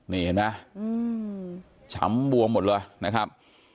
นี่เห็นมั้ยฉำบวงหมดแล้วนะครับ